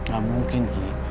gak mungkin ki